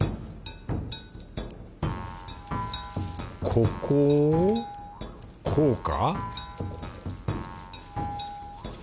ここをこうか？